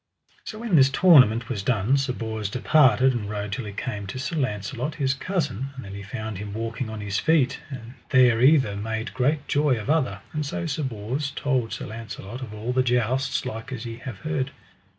So when this tournament was done Sir Bors departed and rode till he came to Sir Launcelot, his cousin; and then he found him walking on his feet, and there either made great joy of other; and so Sir Bors told Sir Launcelot of all the Jousts like as ye have heard.